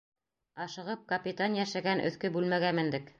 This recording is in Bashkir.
Ашығып, капитан йәшәгән өҫкө бүлмәгә мендек.